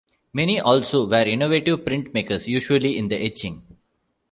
Many also were innovative printmakers, usually in etching.